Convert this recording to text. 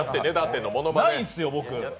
ないんですよ、僕。